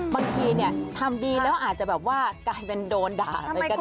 บางทีทำดีแล้วอาจจะแบบว่ากลายเป็นโดนด่าเลยก็ได้